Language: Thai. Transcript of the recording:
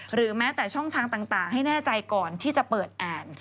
หรือแม้แต่ช่องทางต่างให้แน่ใจก่อนที่จะเปิดอ่าน